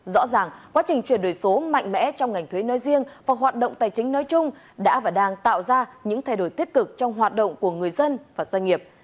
rõ ràng quá trình chuyển đổi số mạnh mẽ trong ngành thuế nói riêng và hoạt động tài chính nói chung đã và đang tạo ra những thay đổi tích cực trong hoạt động của người dân và doanh nghiệp